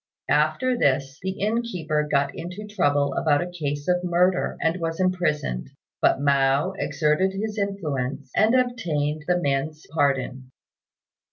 After this, the innkeeper got into trouble about a case of murder, and was imprisoned; but Mao exerted his influence, and obtained the man's pardon.